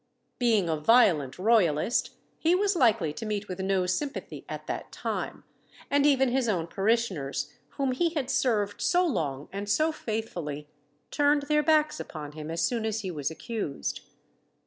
Being a violent royalist, he was likely to meet with no sympathy at that time; and even his own parishioners, whom he had served so long and so faithfully, turned their backs upon him as soon as he was accused.